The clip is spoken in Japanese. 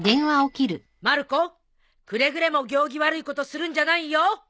まる子くれぐれも行儀悪いことするんじゃないよ。